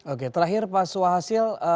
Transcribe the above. oke terakhir pak suhasil